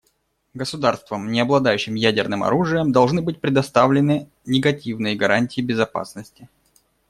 Государствам, не обладающим ядерным оружием, должны быть предоставлены негативные гарантии безопасности.